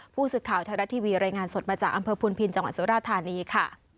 ผู้สื่อข่าวไทยรัฐทีวีรายงานสดมาจากอำเภอพุนพินจังหวัดสุราธานีค่ะ